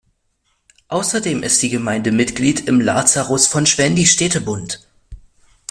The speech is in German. Außerdem ist die Gemeinde Mitglied im Lazarus-von-Schwendi-Städtebund.